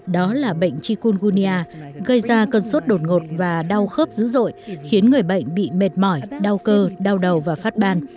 đó là bệnh chikungunya gây ra cân suất đột ngột và đau khớp dữ dội khiến người bệnh bị mệt mỏi đau cơ đau đầu và phát ban